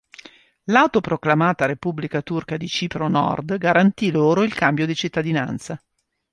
L'autoproclamata Repubblica Turca di Cipro Nord garantì loro il cambio di cittadinanza.